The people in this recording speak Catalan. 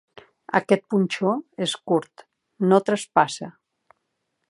Aquest punxó és curt: no traspassa.